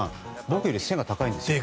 僕より背が高いんですよ。